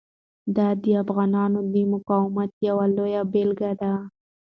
دا د افغانانو د مقاومت یوه لویه بیلګه ده.